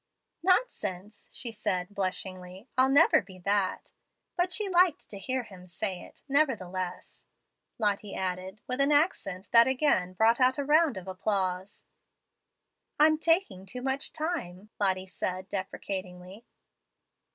"'Nonsense!' she said blushingly. 'I'll never be that.' But she liked to hear him say it, nevertheless," Lottie added with an accent that again brought out a round of applause. "I'm taking too much time," Lottie said, deprecatingly.